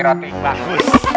roti coklat rasa keju